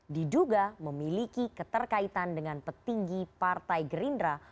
diduga memiliki keterkaitan dengan petinggi partai gerindra